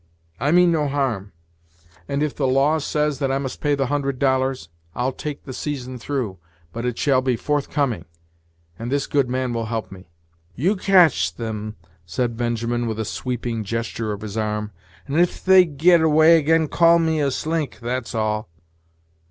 I mean no harm; and if the law says that I must pay the hundred dollars, I'll take the season through, but it shall be forthcoming; and this good man will help me." "You catch them," said Benjamin, with a sweeping gesture of his arm, "and if they get away again, call me a slink, that's all."